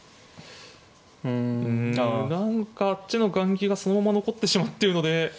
うん何かあっちの雁木がそのまま残ってしまっているので。